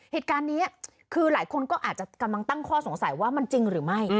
เหตุการณ์นี้คือหลายคนก็อาจจะกำลังตั้งข้อสงสัยว่ามันจริงหรือไม่